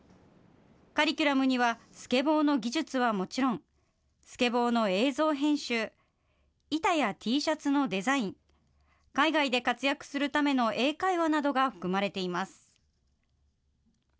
カリキュラムには、スケボーの技術はもちろん、スケボーの映像編集、板やＴシャツのデザイン、海外で活躍するための英会話などが含まれています。